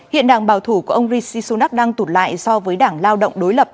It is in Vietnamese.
hiện đảng bảo thủ của ông rishi sunak đang tụt lại so với đảng lao động đối lập